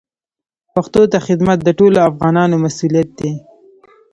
پښتو ته خدمت د ټولو افغانانو مسوولیت دی.